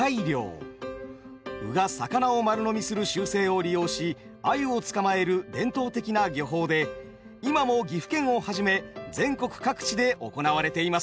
鵜が魚を丸飲みする習性を利用し鮎を捕まえる伝統的な漁法で今も岐阜県をはじめ全国各地で行われています。